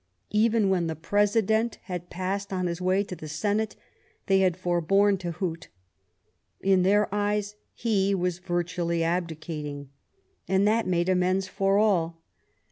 Even when the President had passed on his way to the Senate, they had foreborne to hoot; in their eyes he was virtually abdicating, and that made amends for all.